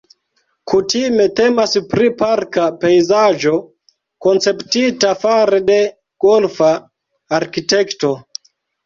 Kutime temas pri parka pejzaĝo konceptita fare de golfa arkitekto.